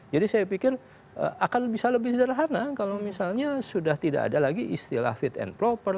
jadi saya pikir akan bisa lebih sederhana kalau misalnya sudah tidak ada lagi istilah fit and proper